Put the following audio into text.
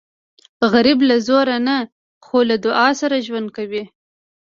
غریب له زوره نه خو له دعا سره ژوند کوي